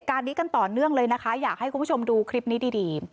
การนี้กันต่อเนื่องเลยนะคะอยากให้คุณผู้ชมดูคลิปนี้ดี